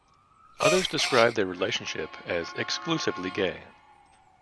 Others described their relationship as "exclusively gay".